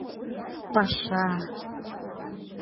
«Паша»!